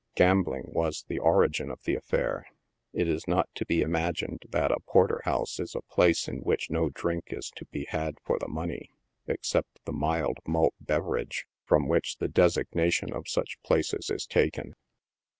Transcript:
Gambling was the origin of the affair. It is not to be imagined that a porter house is a place in which no drink is to be had for the money except the mild malt beverage from which the designation of such places is taken.